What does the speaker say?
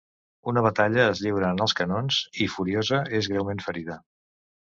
Una batalla es lliura en els canons, i Furiosa és greument ferida.